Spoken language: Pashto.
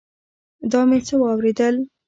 دا مې څه اورېدل.